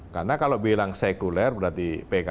karena kalau bilang sekuler berarti pki